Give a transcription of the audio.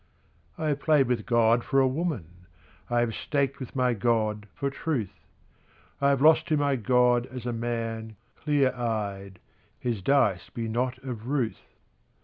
I have played with God for a woman, I have staked with my God for truth, I have lost to my God as a man, clear eyed, His dice be not of ruth.